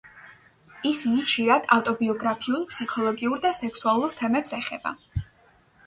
ისინი ხშირად ავტობიოგრაფიულ, ფსიქოლოგიურ და სექსუალურ თემებს ეხება.